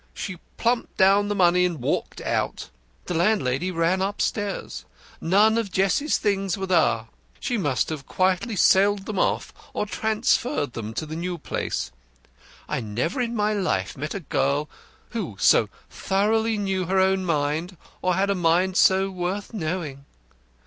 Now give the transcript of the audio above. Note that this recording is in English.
She plumped down the money and walked out. The landlady ran upstairs. None of Jessie's things were there. She must have quietly sold them off, or transferred them to the new place. I never in my life met a girl who so thoroughly knew her own mind or had a mind so worth knowing.